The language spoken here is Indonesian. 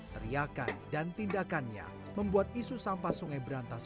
teriakan dan tindakannya membuat isu sampah sungai berantas